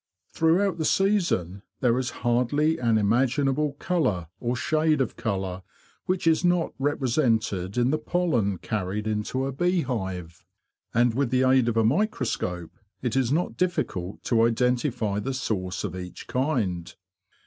Throughout the season there is hardly an 154 THE BEE MASTER OF WARRILOW imaginable colour or shade of colour which is not represented in the pollen carried into a beehive; and with the aid of a microsope it is not difficult to identify the source of each kind.